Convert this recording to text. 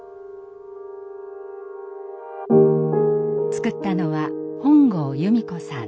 作ったのは本郷由美子さん。